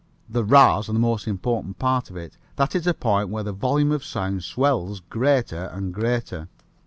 The rahs are the most important part of it. That is the point where the volume of sound swells greater and greater.